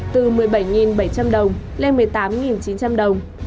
từ một mươi bảy bảy trăm linh đồng lên một mươi tám chín trăm linh đồng